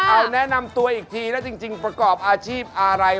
เอาแนะนำตัวอีกทีแล้วจริงประกอบอาชีพอะไร